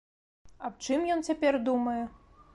Аб чым ён цяпер думае?